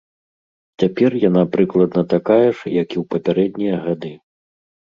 Цяпер яна прыкладна такая ж, як і ў папярэднія гады.